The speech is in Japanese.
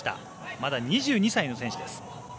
まだ２２歳の選手です。